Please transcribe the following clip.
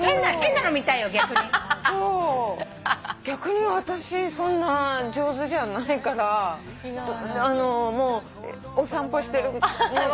逆に私そんな上手じゃないからお散歩してるのとか。